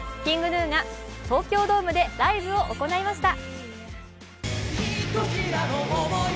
ＫｉｎｇＧｎｕが東京ドームでライブを行いました。